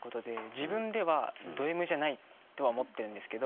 自分ではドＭじゃないとは思ってるんですけど。